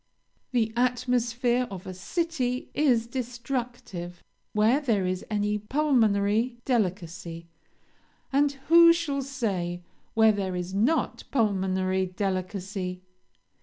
The atmosphere of a city is destructive where there is any pulmonary delicacy, and who shall say, where there is not pulmonary delicacy?